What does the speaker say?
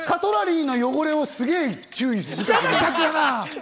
カトラリーの汚れをすげぇ注意する。